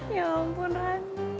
ya ampun randi